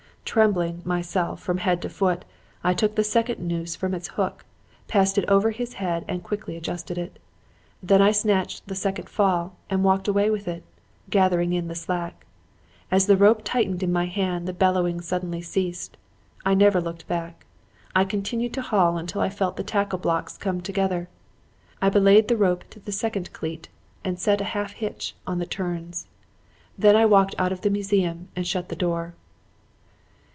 Trembling, myself, from head to foot, I took the second noose from its hook, passed it over his head and quickly adjusted it. Then I snatched the second fall and walked away with it, gathering in the slack. As the rope tightened in my hand the bellowings suddenly ceased. I never looked back. I continued to haul until I felt the tackle blocks come together. I belayed the rope to the second cleat and set a half hitch on the turns. Then I walked out of the museum and shut the door.